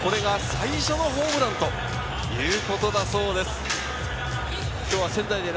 １２球団、これが最初のホームランということだそうです。